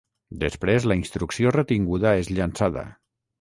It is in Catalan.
Després, la instrucció retinguda és llançada.